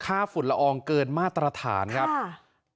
ฝุ่นละอองเกินมาตรฐานครับค่ะ